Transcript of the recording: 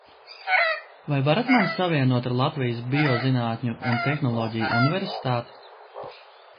Vai varat mani savienot ar Latvijas Biozinātņu un tehnoloģiju universitāti?